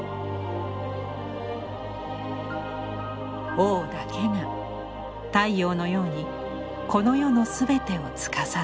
王だけが太陽のようにこの世のすべてをつかさどる。